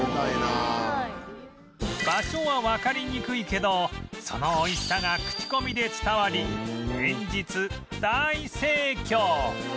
場所はわかりにくいけどその美味しさが口コミで伝わり連日大盛況！